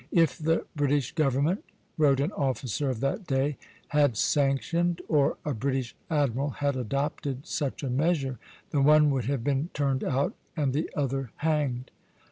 "If the British government," wrote an officer of that day, "had sanctioned, or a British admiral had adopted, such a measure, the one would have been turned out and the other hanged."